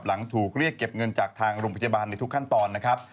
หลังถูกเรียกเก็บเงินจากทางโรงพยาบาลในทุกขั้นตอนนะครับ